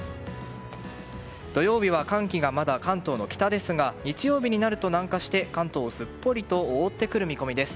土曜日は寒気がまだ関東の北ですが日曜日になると南下して関東をすっぽりと覆ってくる見込みです。